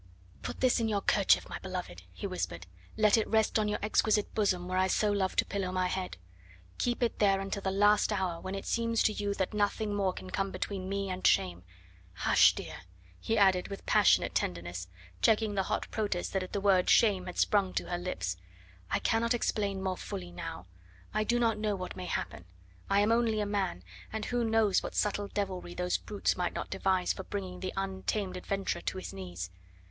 "Put this in your kerchief, my beloved," he whispered. "Let it rest on your exquisite bosom where I so love to pillow my head. Keep it there until the last hour when it seems to you that nothing more can come between me and shame.... Hush sh sh, dear," he added with passionate tenderness, checking the hot protest that at the word "shame" had sprung to her lips, "I cannot explain more fully now. I do not know what may happen. I am only a man, and who knows what subtle devilry those brutes might not devise for bringing the untamed adventurer to his knees.